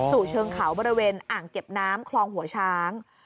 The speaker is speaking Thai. เชิงเขาบริเวณอ่างเก็บน้ำคลองหัวช้าง